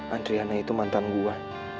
adriana itu mantan gua